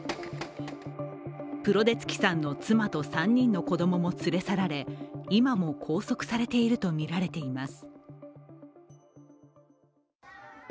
プロデツキさんの妻と３人の子供も連れ去られ今も拘束されているとみられています。